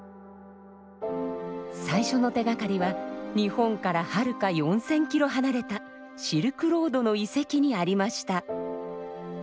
最初の手がかりは日本からはるか４，０００キロ離れたシルクロードの遺跡にありました。